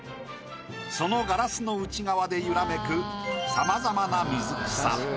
そのガラスの内側で揺らめくさまざまな水草。